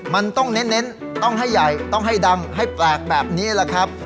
มันต้องเน้นต้องให้ใหญ่ต้องให้ดังให้แปลกแบบนี้แหละครับ